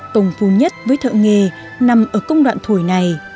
tùng phu nhất với thợ nghề nằm ở công đoạn thổi này